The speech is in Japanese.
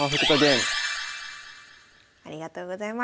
ありがとうございます。